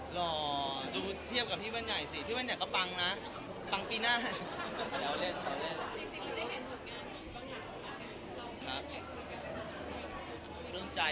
หล่อดูเทียบกับพี่ว่านใหญ่ซิพี่ว่านใหญ่ก็ปังนะปังปีหน้า